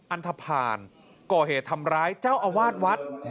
อันทภาณก่อเหตุทำร้ายเจ้าอาวาสวัด